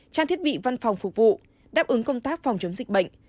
trang thiết bị văn phòng phục vụ đáp ứng công tác phòng chống dịch bệnh